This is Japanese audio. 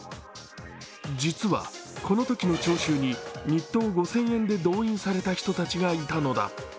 実は、このときの聴衆に日当５０００円で動員された人たちがいたのだ。